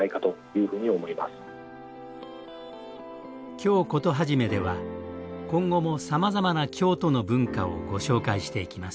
「京コトはじめ」では今後もさまざまな京都の文化をご紹介していきます。